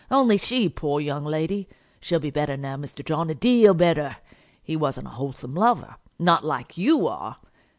only she, poor young lady. She'll be better now, Mr. John, a deal better. He wasn't a wholesome lover, not like you are.